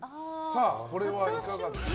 これは、いかがでしょう。